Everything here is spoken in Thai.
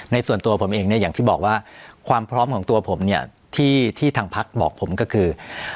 ส่วนตัวผมเองเนี่ยอย่างที่บอกว่าความพร้อมของตัวผมเนี่ยที่ทางพักบอกผมก็คือ